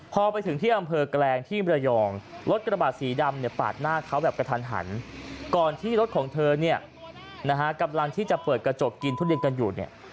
พอไปถึงที่อำเภอแกลงที่มรยองรถกระบาดสีดำเนี่ยปาดหน้าเขาแบบกระทันหันก่อนที่รถของเธอเนี่ยนะฮะกำลังที่จะเปิดกระจกกินทุเรียนกันอยู่เนี่ย